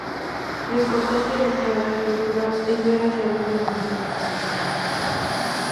Lo importante de cada cultura es ver hacia dónde evolucionó.